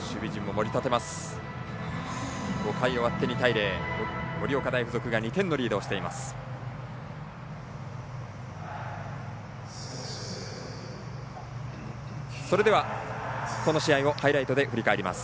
盛岡大付属が２点リードしています。